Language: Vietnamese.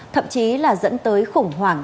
thậm chí là dẫn tới khủng hoảng